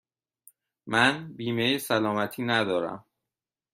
من بیمه سلامتی ندارم.